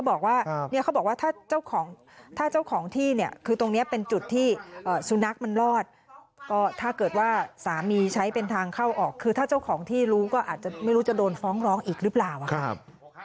ออกคือถ้าเจ้าของที่รู้ก็อาจจะไม่รู้จะโดนฟ้องร้องอีกหรือเปล่าค่ะครับ